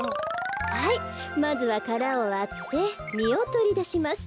はいまずはからをわってみをとりだします。